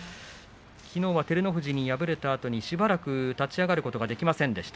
きのうは照ノ富士に敗れたあとにしばらく立ち上がることができませんでした。